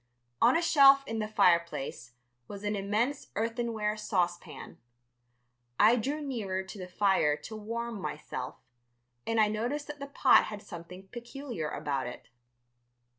On a shelf in the fireplace was an immense earthenware saucepan. I drew nearer to the fire to warm myself, and I noticed that the pot had something peculiar about it.